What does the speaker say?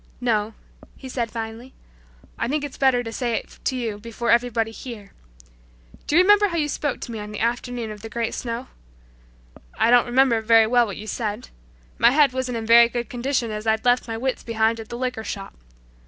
"No," he said finally, "I think it's better to say it to you before everybody here. Do you remember how you spoke to me on the afternoon of the great snow? I don't remember very well what you said. My head wasn't in very good condition as I'd left my wits behind at the liquor shop.